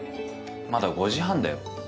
まだ５時半だよ。